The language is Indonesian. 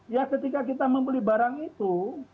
ya ketika kita membeli barang itu